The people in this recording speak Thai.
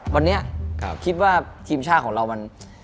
วันนี้คิดว่าทีมชาติของเรามัน